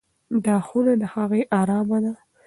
دا خونه له هغې ارامه ده.